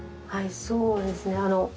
はいそうですね。